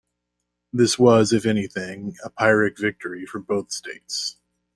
This was if anything a Pyrrhic victory for both states.